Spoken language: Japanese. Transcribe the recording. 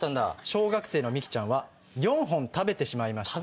小学生のミキちゃんは４本食べてしまいました。